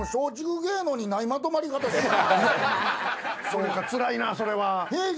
そうかつらいなそれは。